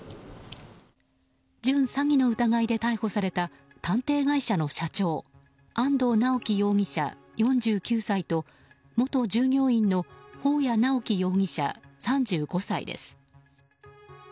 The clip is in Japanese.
準詐欺の疑いで逮捕された探偵会社の社長安藤巨樹容疑者、４９歳と元従業員の保谷直紀容疑者、３５歳です。